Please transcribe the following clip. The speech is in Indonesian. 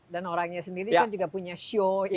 dan orangnya sendiri kan juga punya shio yang berbeda beda